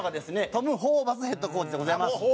トム・ホーバスヘッドコーチでございます。